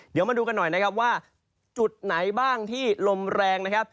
เดี๋ยวมาดูกันหน่อยนะครับว่าจุดไหนบ้างที่ลมแรงนะครับ